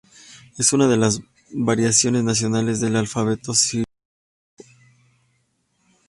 Es una de las variaciones nacionales del Alfabeto Cirílico.